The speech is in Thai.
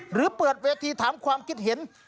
หรือเปิดเวทีถามความคิดเห็น